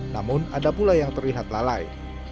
namun ada pula yang terlihat lalai